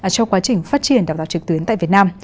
cho quá trình phát triển đào tạo trực tuyến tại việt nam